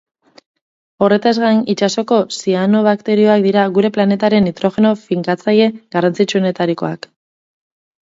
Horretaz gain, itsasoko zianobakterioak dira gure planetaren nitrogeno-finkatzaile garrantzitsuenetarikoak.